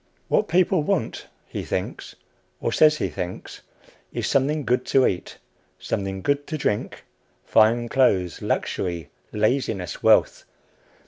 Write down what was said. What people want, he thinks, or says he thinks, is something good to eat, something good to drink, fine clothes, luxury, laziness, wealth.